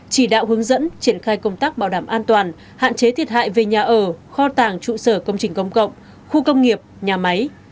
chỉ đạo hướng dẫn triển khai công tác bảo đảm an toàn hạn chế thiệt hại về nhà ở kho tàng trụ sở công trình công cộng khu công nghiệp nhà máy